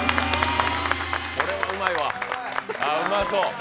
これはうまいわ、うまそう。